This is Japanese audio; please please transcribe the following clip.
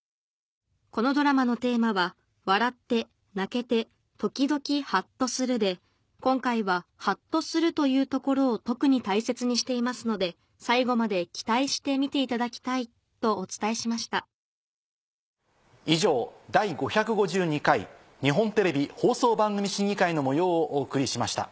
このドラマのテーマは「笑って泣けて時々ハッとする」で今回はハッとするというところを特に大切にしていますので最後まで期待して見ていただきたいとお伝えしました以上「第５５２回日本テレビ放送番組審議会」の模様をお送りしました。